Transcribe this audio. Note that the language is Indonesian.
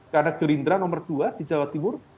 karena gerindera nomor dua di jawa timur